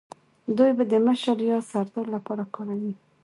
دوی به د مشر یا سردار لپاره کاروی